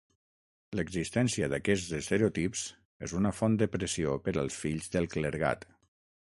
L'existència d'aquests estereotips és una font de pressió per als fills del clergat.